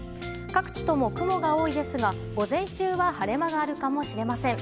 各地とも雲が多いですが午前中は晴れ間があるかもしれません。